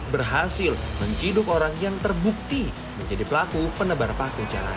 berhasil menciduk orang yang terbukti menjadi pelaku penebar paku cerah